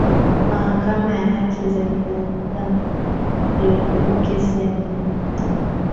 mahakama ya haki za binadamu ilihukumu kesi arobaini na tano